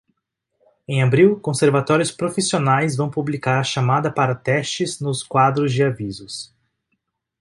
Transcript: Em abril, conservatórios profissionais vão publicar a chamada para testes nos quadros de avisos.